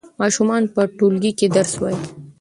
ماشومان په ټولګي کې درس وايي.